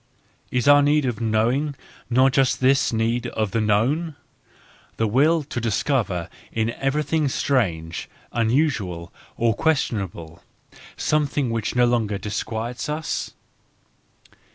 ls °ur need of knowing not just this need of the known? the will to discover in thfrior 1 V? f trang ^' uuusual, or questionable, some¬ thing which no longer disquiets us?